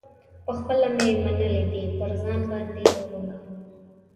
پخپله مي منلي دي پر ځان باندي اورونه